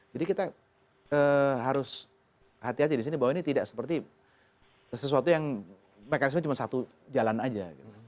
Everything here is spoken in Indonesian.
jadi kita harus hati hati di sini bahwa ini tidak seperti sesuatu yang mekanisme cuma satu jalan aja